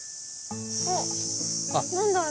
あっ何だ？